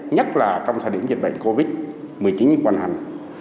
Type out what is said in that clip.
nhất là trong thời điểm dịch bệnh covid một mươi chín hoành hành